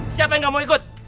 siapa yang gak mau ikut